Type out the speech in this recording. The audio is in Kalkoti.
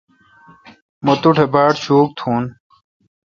مہ توٹھ باڑ شوک تھون۔